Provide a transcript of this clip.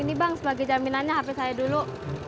ini bang sebagai jaminannya hp saya dulu